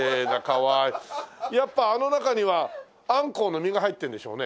やっぱあの中にはあんこうの身が入ってるんでしょうね。